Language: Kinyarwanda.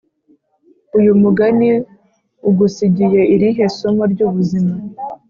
uyu mugani ugusigiye irihe somo ry’ubuzima?